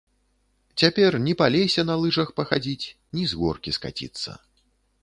Цяпер ні па лесе на лыжах пахадзіць, ні з горкі скаціцца.